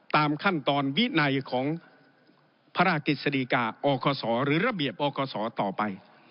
ตามขั้นตอนวินัยของพระกฤษฎีกาอขหรือระเบียบอขต่อไป